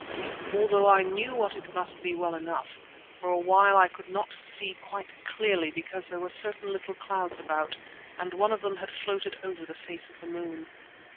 Although I knew what it must be well enough, for a while I could not see quite clearly because there were certain little clouds about and one of them had floated over the face of the moon.